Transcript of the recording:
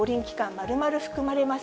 丸々含まれます。